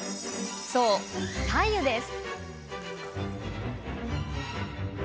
そう、白湯です。